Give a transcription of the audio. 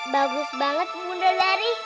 bagus banget bunda dari